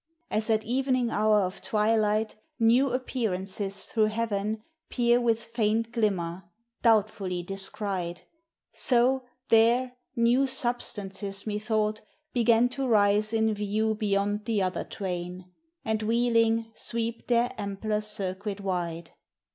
As at evening hour Of twilight, new appearances through heaven Peer with faint glimmer, doubtfully descried; So, there, new substances methought, began To rise in view beyond the other twain, And wheeling, sweep their ampler circuit wide.